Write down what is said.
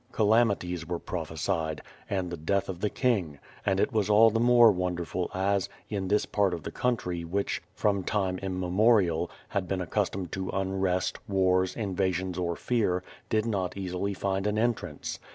Calamities were prophe sied, and the death of the king; and it was all the more won derful as, in this part of the country, which, from time im memorial, had been accustomed to unrest, wars, invasions, or fear did not easily find an entrance.